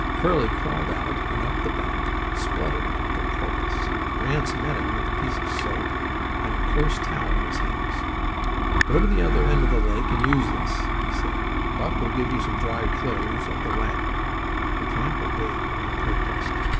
Curly crawled out and up the bank spluttering like a porpoise. Ranse met him with a piece of soap and a coarse towel in his hands. "Go to the other end of the lake and use this," he said. "Buck will give you some dry clothes at the wagon." The tramp obeyed without protest.